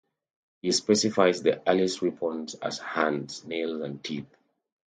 He specifies the earliest weapons as hands, nails and teeth.